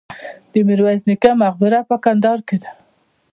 د میرویس نیکه مقبره په کندهار کې ده